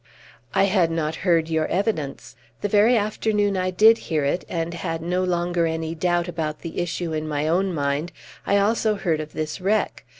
"I had not heard your evidence. The very afternoon I did hear it, and had no longer any doubt about the issue in my own mind, I also heard of this wreck.